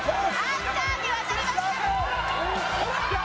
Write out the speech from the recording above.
アンカーに渡りました。